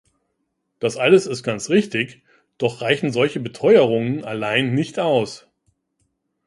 Das alles ist ganz richtig, doch reichen solche Beteuerungen allein nicht aus.